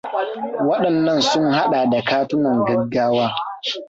Waɗannan sun haɗa da katunan gaggawa na: